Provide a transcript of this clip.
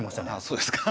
そうですか。